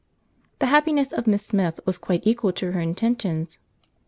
The happiness of Miss Smith was quite equal to her intentions.